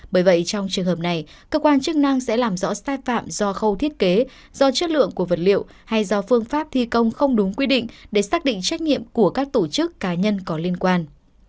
bởi vậy trong trường hợp này cơ quan chức năng sẽ làm rõ sai phạm do khâu thiết kế do chất lượng của vật liệu hay do phương pháp thi công không đúng quy định để xác định trách nhiệm của các tổ chức cá nhân có liên quan